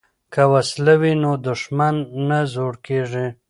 که وسله وي نو دښمن نه زړور کیږي.